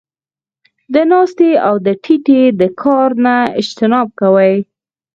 د ناستې او د ټيټې د کار نۀ اجتناب کوي -